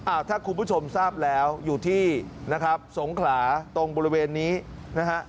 ถ้าคุณผู้ชมทราบแล้วอยู่ที่นะครับสงขลาตรงบริเวณนี้นะฮะ